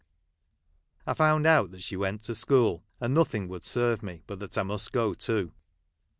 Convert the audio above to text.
I found out that she went to school, and nothing would serve me but that I must go too.